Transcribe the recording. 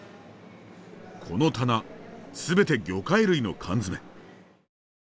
この棚すべて魚介類の缶詰。